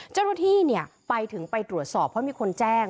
เจ้าหน้าที่ไปถึงไปตรวจสอบเพราะมีคนแจ้ง